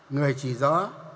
người chỉ rõ